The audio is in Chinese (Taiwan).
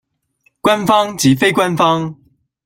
官方及非官方